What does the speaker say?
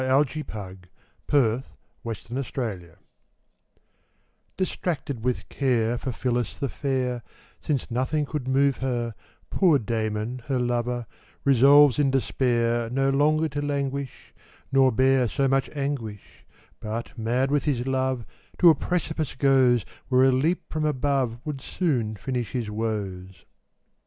William Walsh The Despairing Lover DISTRACTED with care, For Phillis the fair, Since nothing could move her, Poor Damon, her lover, Resolves in despair No longer to languish, Nor bear so much anguish; But, mad with his love, To a precipice goes; Where a leap from above Would soon finish his woes.